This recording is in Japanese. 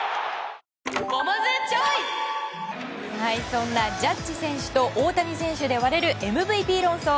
そんなジャッジ選手と大谷選手で割れるＭＶＰ論争。